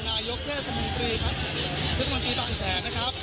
นายกเทศรุนิริปศุกรวงตีบังเกษฐ์